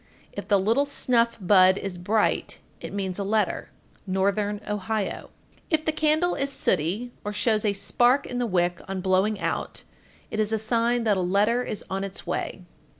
If the little snuff bud is bright, it means a letter. Northern Ohio. 1443. If the candle is sooty, or shows a spark in the wick on blowing out, it is a sign that a letter is on its way.